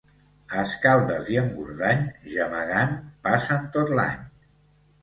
A Escaldes i Engordany gemegant passen tot l'any.